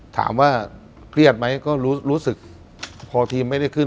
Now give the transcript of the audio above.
ถามว่าเครียดไหมก็รู้สึกพอทีมไม่ได้ขึ้น